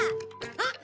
あっ！